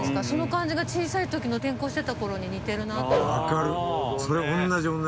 その感じが小さいときの転校してた頃に似てるなって。